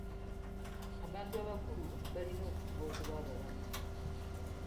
Abantu abakulu balina okufuba okuba abalamu.